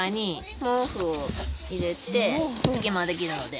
隙間ができるので。